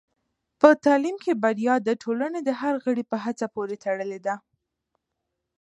په تعلیم کې بریا د ټولنې د هر غړي په هڅه پورې تړلې ده.